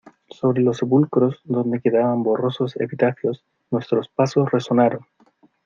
sobre los sepulcros, donde quedaban borrosos epitafios , nuestros pasos resonaron.